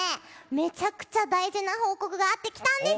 めちゃくちゃ大事な報告があって来たんです！